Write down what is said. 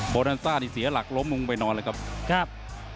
โพดันซ่าที่เสียหลักล้มมุมกันไปนอนเลยครับ